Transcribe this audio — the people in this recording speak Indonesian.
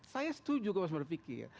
saya setuju kebebasan berpikir